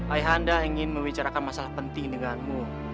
ayah anda ingin membicarakan masalah penting denganmu